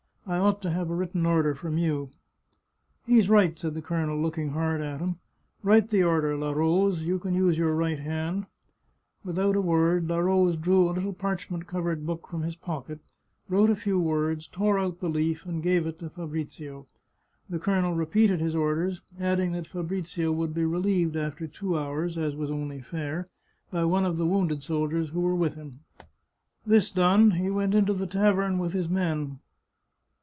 I ought to have a writ ten order from you." " He's right," said the colonel, looking hard at him. " Write the order. La Rose ; you can use your right hand." Without a word. La Rose drew a little parchment covered book from his pocket, wrote a few words, tore out the leaf, and gave it to Fabrizio. The colonel repeated his orders, adding that Fabrizio would be relieved after two hours, as was only fair, by one of the wounded soldiers who were with him. This done, he went into the tavern with his men.